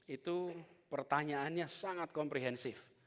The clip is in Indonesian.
itu pertanyaannya sangat komprehensif